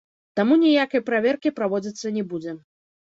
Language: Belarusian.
Таму ніякай праверкі праводзіцца не будзе.